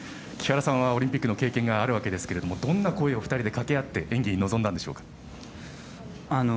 木原さんは、オリンピックの経験があるわけですがどんな声を２人でかけ合って演技に臨んだんですか。